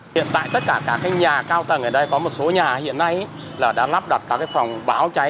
hiện tại tất cả các nhà cao tầng ở đây có một số nhà hiện nay là đã lắp đặt các phòng báo cháy